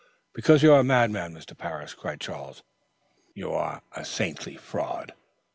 "Because you are a bad man, Mr. Parris," cried Charles. "You are a saintly fraud."